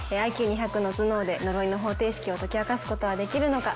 ＩＱ２００の頭脳で呪いの方程式を解き明かすことはできるのか。